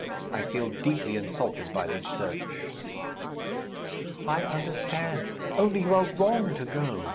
I feel deeply insulted by this search!" "I understand.... Only you are wrong to go.